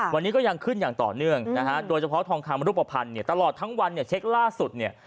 วันนี้ก็ยังขึ้นอย่างต่อเนื่องนะฮะโดยเฉพาะทองคำรูปภัณฑ์เนี่ยตลอดทั้งวันเนี่ยเช็คล่าสุดเนี่ย